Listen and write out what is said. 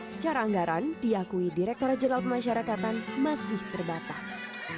secara anggaran diakui direkturat jenderal pemasyarakatan masih terbatas